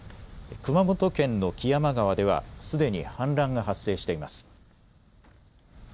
熊本県の木山川ではすでに氾濫が発生しています。